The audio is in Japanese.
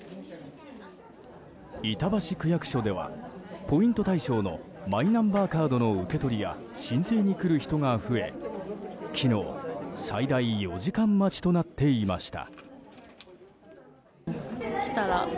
板橋区役所ではポイント対象のマイナンバーカードの受け取りや申請に来る人が増え昨日、最大４時間待ちとなっていました。